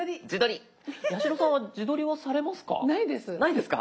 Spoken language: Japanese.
八代さんは自撮りはされますか？